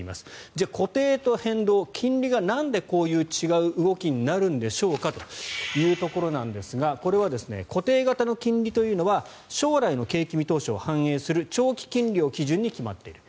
じゃあ固定と変動金利がなんでこういう違う動きになるんでしょうかというところなんですがこれは固定型の金利というのは将来の景気見通しを反映する長期金利を基準に決まっている。